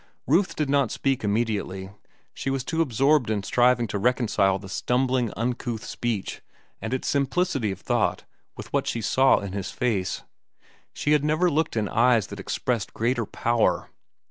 Ruth did not speak immediately. She was too absorbed in striving to reconcile the stumbling, uncouth speech and its simplicity of thought with what she saw in his face. She had never looked in eyes that expressed greater power.